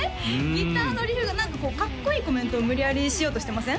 ギターのリフが何かこうかっこいいコメントを無理やりしようとしてません？